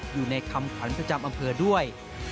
อยู่ในคำขวัญประจำอำเภอด้วย